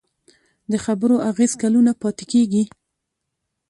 د خبرو اغېز کلونه پاتې کېږي.